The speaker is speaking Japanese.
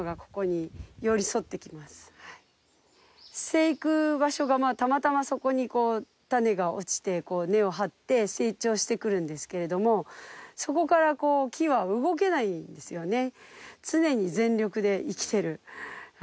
生育場所がたまたまそこに種が落ちて根を張って成長してくるんですけれどもそこから木は動けないんですよね